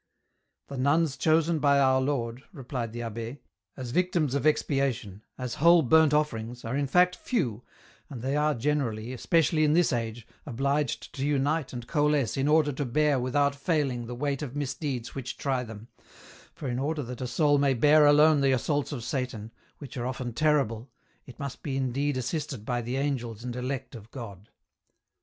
" The nuns chosen by our Lord," replied the abb^, " as victims of expiation, as whole burnt offerings, are in fact few, and they are generally, especially in this age, obliged to unite and coalesce in order to bear without failing the weight of misdeeds which try them, for in order that a soul may bear alone the assaults of Satan, which are often terrible, it must be indeed assisted by the angels and elect of God."